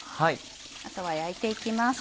あとは焼いて行きます。